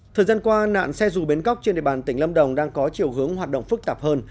thời gian qua nạn xe dù bến cóc trên địa bàn tỉnh lâm đồng đang có chiều hướng hoạt động phức tạp hơn